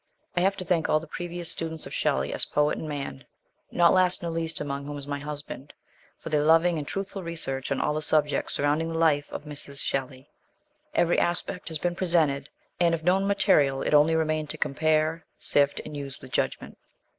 I HAVE to thank all the previous students of Shelley as poet and man not last nor least among whom is my husband for their loving and truthful research on all the subjects surrounding the life of Mrs. Shelley. Every aspect has been presented, and of known material it only remained to compare, sift, and use with judgment.